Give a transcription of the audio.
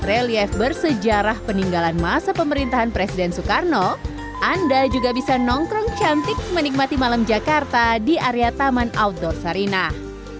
relief bersejarah peninggalan masa pemerintahan presiden soekarno anda juga bisa nongkrong cantik menikmati malam jakarta di area taman outdoor sarinah